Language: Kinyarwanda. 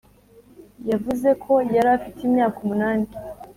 yavuze ko yari afite imyaka umunani;